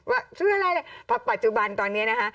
ว่าข้อมูลอะไรพอปัจจุบันตอนเนี้ยนะคะ